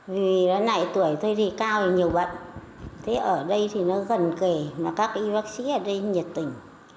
vì lần này tuổi tôi thì cao nhiều bệnh thế ở đây thì nó gần kể mà các y bác sĩ ở đây nhiệt tình